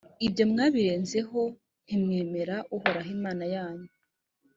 ibyo mwabirenzeho ntimwemera uhoraho imana yanyu